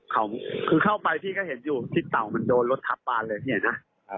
เขาคือเข้าไปพี่ก็เห็นอยู่ที่เต่ามันโดนรถทับบานเลยพี่เห็นไหม